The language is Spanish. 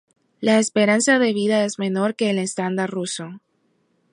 La esperanza de vida es menor que el estándar ruso.